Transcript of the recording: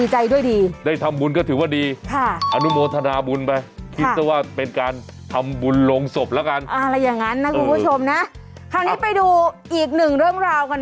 จะได้รับเพิ่มวงเงินค่าซื้อสินค้าอุปโภคบริโภคที่จำเป็น